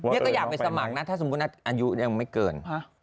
นี่ก็อยากไปสมัครนะถ้าสมมุติอายุยังไม่เกิน